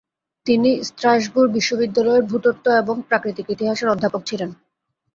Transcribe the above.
তিনি স্ত্রাসবুর বিশ্ববিদ্যালয়ের ভূতত্ত্ব এবং প্রাকৃতিক ইতিহাসের অধ্যাপক ছিলেন।